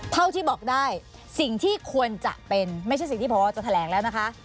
เท่าที่บอกได้สิ่งที่ควรจะเป็นไม่ใช่สิ่งที่พอจะแถลงแล้วนะคะ